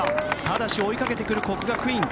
ただし、追いかけてくる國學院。